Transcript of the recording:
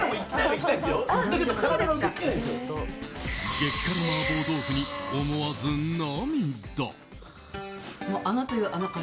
激辛麻婆豆腐に思わず涙。